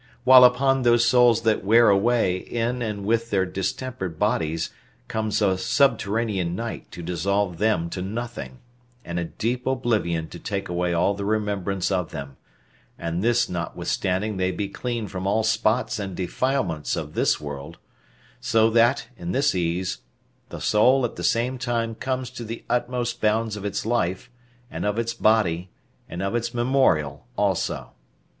while upon those souls that wear away in and with their distempered bodies comes a subterranean night to dissolve them to nothing, and a deep oblivion to take away all the remembrance of them, and this notwithstanding they be clean from all spots and defilements of this world; so that, in this ease, the soul at the same time comes to the utmost bounds of its life, and of its body, and of its memorial also.